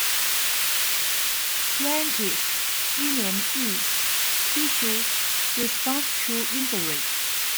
Prentice, William E. Tissue Response to Injury.